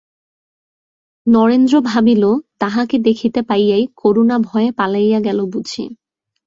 নরেন্দ্র ভাবিল তাহাকে দেখিতে পাইয়াই করুণা ভয়ে পলাইয়া গেল বুঝি।